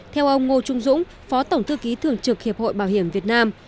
theo ông ngô trung dũng phó tổng thư ký thường trực hiệp hội bảo hiểm việt nam